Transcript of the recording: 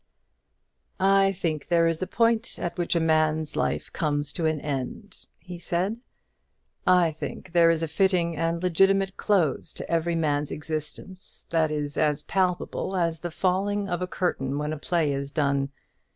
"I think there is a point at which a man's life comes to an end," he said. "I think there is a fitting and legitimate close to every man's existence, that is as palpable as the falling of a curtain when a play is done.